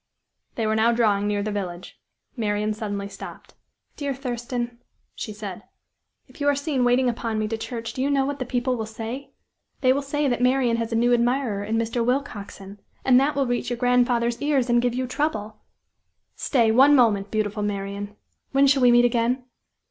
They were now drawing near the village. Marian suddenly stopped. "Dear Thurston," she said, "if you are seen waiting upon me to church do you know what the people will say? They will say that Marian has a new admirer in Mr. Willcoxen and that will reach your grandfather's ears, and give you trouble." "Stay! one moment, beautiful Marian! When shall we meet again?"